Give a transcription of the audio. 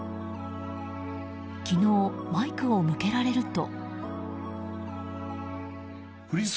昨日、マイクを向けられると。